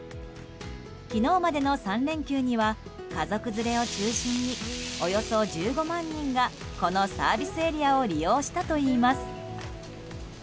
昨日までの３連休には家族連れを中心におよそ１５万人がこのサービスエリアを利用したといいます。